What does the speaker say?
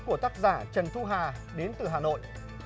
của tác giả trần thu hà đến từ hà nội